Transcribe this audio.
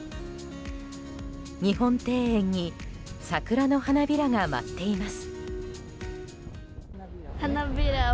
日本庭園に桜の花びらが舞っています。